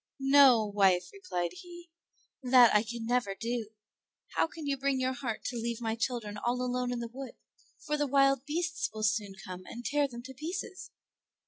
"No, wife," replied he, "that I can never do; how can you bring your heart to leave my children all alone in the wood, for the wild beasts will soon come and tear them to pieces?"